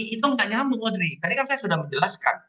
itu nggak nyambung adri tadi kan saya sudah menjelaskan